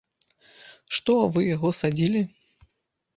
Што, вы яго садзілі?